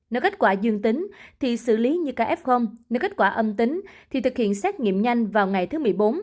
nếu kết quả dương tính thì xử lý như caf nếu kết quả âm tính thì thực hiện xét nghiệm nhanh vào ngày thứ một mươi bốn